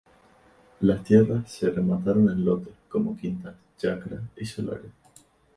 Las tierras se remataron en lotes, como, quintas, chacras y solares.